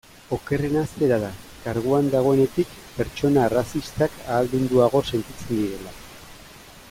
Okerrena zera da, karguan dagoenetik, pertsona arrazistak ahaldunduago sentitzen direla.